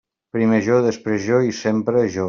Primer jo, després jo i sempre jo.